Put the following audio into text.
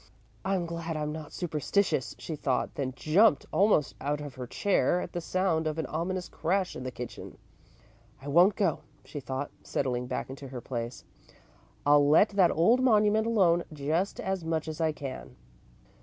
"I'm glad I'm not superstitious," she thought, then jumped almost out of her chair at the sound of an ominous crash in the kitchen. "I won't go," she thought, settling back into her place. "I'll let that old monument alone just as much as I can."